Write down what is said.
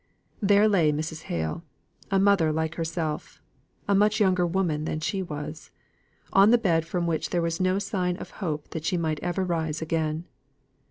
There lay Mrs. Hale a mother like herself a much younger woman than she was, on the bed from which there was no sign of hope that she might ever rise again.